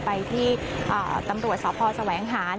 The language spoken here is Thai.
ไปที่ตำรวจศพสวัยอังหา